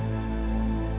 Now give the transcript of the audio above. ya pak adrian